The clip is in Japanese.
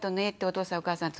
お父さんお母さん